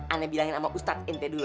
aneh bilangin sama ustadz ente dulu ya